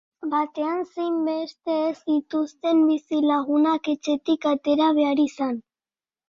Batean zein bestean ez zituzten bizilagunak etxetik atera behar izan.